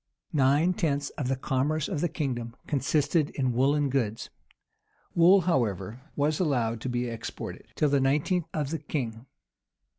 Nine tenths of the commerce of the kingdom consisted in woollen goods.[*] Wool, however, was allowed to be exported, till the nineteenth of the king.